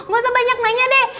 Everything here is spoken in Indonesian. gak usah banyak nanya deh